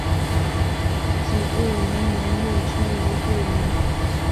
子杜延年又迁于杜陵。